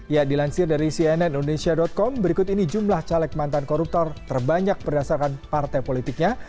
ya dilansir dari cnn indonesia com berikut ini jumlah caleg mantan koruptor terbanyak berdasarkan partai politiknya